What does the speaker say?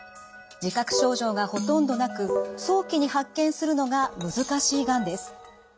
自覚症状がほとんどなく早期に発見するのが難しいがんです。